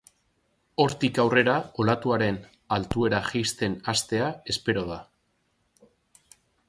Hortik aurrera olatuaren altuera jaisten hastea espero da.